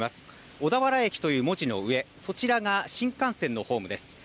小田原駅という文字の上、そちらが新幹線のホームです。